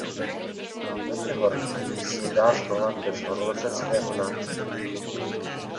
Matterhorn Peak se dá zdolat bez horolezeckého náčiní.